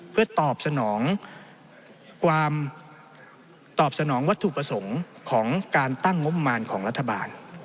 เพื่อตอบสนองวัตถุประสงค์ของการตั้งงบประมาณของรัฐบาล